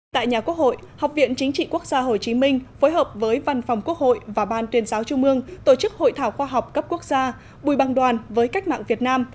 tại nhà quốc hội học viện chính trị quốc gia hồ chí minh phối hợp với văn phòng quốc hội và ban tuyên giáo trung mương tổ chức hội thảo khoa học cấp quốc gia bùi băng đoàn với cách mạng việt nam